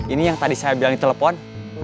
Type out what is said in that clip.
ini yang tadi saya bilang di telepon